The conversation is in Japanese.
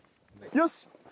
よし！